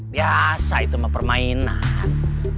biasa itu sama permainan